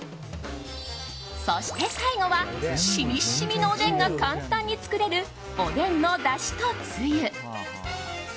そして最後はしみしみのおでんが簡単に作れるおでんのだしとつゆ。